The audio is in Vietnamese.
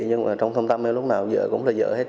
nhưng mà trong thâm tâm em lúc nào vợ cũng là vợ hết